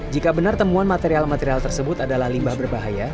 jika benar temuan material material tersebut adalah limbah berbahaya